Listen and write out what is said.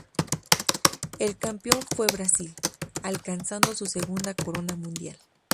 El campeón fue Brasil, alcanzando su segunda corona mundial.